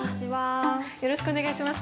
よろしくお願いします。